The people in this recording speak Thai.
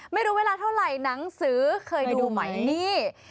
เวลาเท่าไหร่หนังสือเคยดูไหมนี่